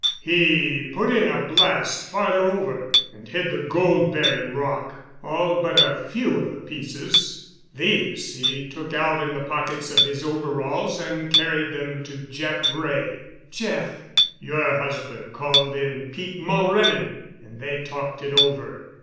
He put in a blast farther over and hid the gold bearing rock—all but a few of the pieces. These he took out in the pockets of his overalls and carried them to Jeff Wray——" "Jeff——" "Your husband called in Pete Mulrennan, and they talked it over.